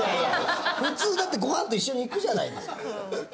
普通だってご飯と一緒にいくじゃないですか。